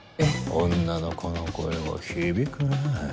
女の子の声は響くねぇ。